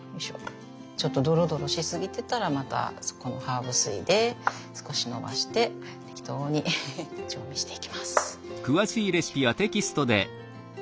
ちょっとドロドロしすぎてたらまたこのハーブ水で少しのばして適当に調味していきます。